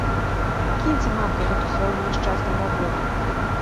Кіньце, мамка, гэту сваю няшчасную работу!